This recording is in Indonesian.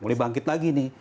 mulai bangkit lagi nih